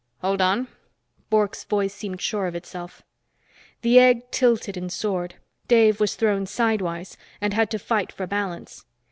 "Hold on." Bork's voice seemed sure of itself. The egg tilted and soared. Dave was thrown sidewise and had to fight for balance.